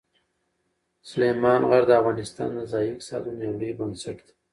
سلیمان غر د افغانستان د ځایي اقتصادونو یو لوی بنسټ دی.